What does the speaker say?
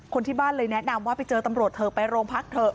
คนที่บ้านเลยแนะนำว่าไปเจอตำรวจเถอะไปโรงพักเถอะ